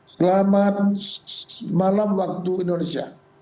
selamat malam waktu indonesia